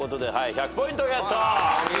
１００ポイントゲット。